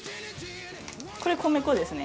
これ米粉ですね。